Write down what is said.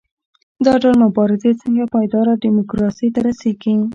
دا ډول مبارزې څنګه پایداره ډیموکراسۍ ته رسیږي؟